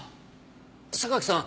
榊さん